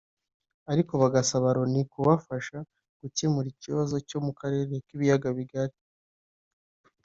ariko bagasaba Loni kubafasha gukemura ikibazo cyo mu karere k’ibiyaga bigari